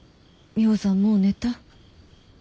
ミホさんもう寝た？